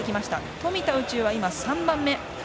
富田宇宙は今、３番目。